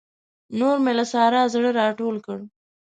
نور مې له سارا زړه راټول کړ.